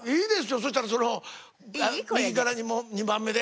そしたらその右から２番目で。